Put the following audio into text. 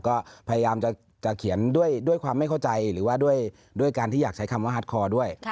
ก็พยายามจะเขียนด้วยความไม่เข้าใจหรือว่าด้วยการที่อยากใช้คำว่าฮาร์ดคอด้วย